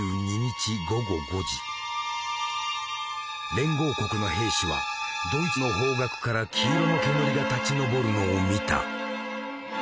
連合国の兵士はドイツの方角から黄色の煙が立ちのぼるのを見た。